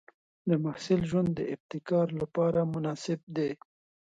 د محصل ژوند د ابتکار لپاره مناسب دی.